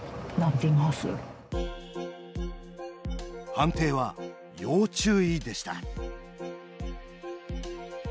判定は要注意でした。